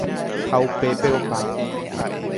ha upépe opa